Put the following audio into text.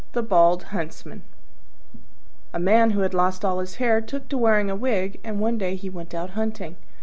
THE BALD HUNTSMAN A Man who had lost all his hair took to wearing a wig, and one day he went out hunting.